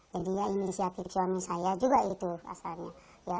jadi ya inisiatif suami saya juga itu asalnya